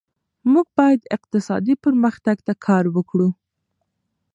موږ باید اقتصادي پرمختګ ته کار وکړو.